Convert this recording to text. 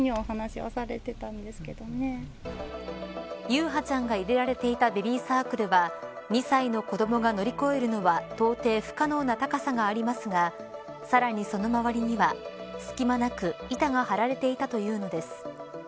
優陽ちゃんが入れられていたベビーサークルは２歳の子どもが乗り越えるのは到底不可能な高さがありますがさらにその周りには、隙間なく板が張られていたというのです。